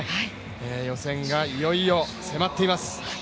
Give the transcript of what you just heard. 予選がいよいよ迫っています。